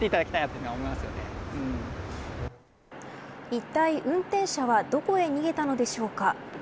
いったい運転者はどこへ逃げたのでしょうか。